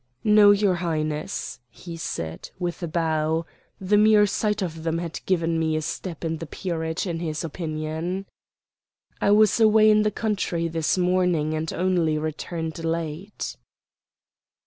"No, your Highness," he said, with a bow the mere sight of them had given me a step in the peerage in his opinion. "I was away in the country this morning and only returned late."